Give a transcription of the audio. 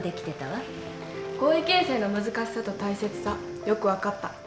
合意形成の難しさと大切さよく分かった。